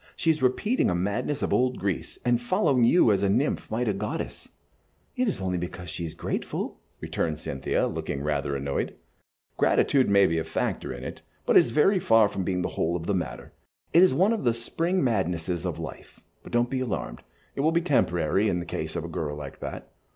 She is repeating a madness of old Greece, and following you as a nymph might a goddess." "It is only because she is grateful," returned Cynthia, looking rather annoyed. "Gratitude may be a factor in it, but it is very far from being the whole of the matter. It is one of the spring madnesses of life; but don't be alarmed, it will be temporary in the case of a girl like that.